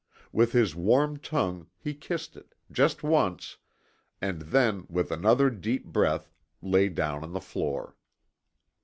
With his warm tongue he kissed it just once and then, with another deep breath, lay down on the floor.